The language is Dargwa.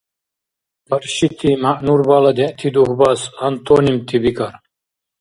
Къаршити мягӀнубала дегӀти дугьбас антонимти бикӀар.